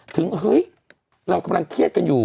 เฮ้ยเรากำลังเครียดกันอยู่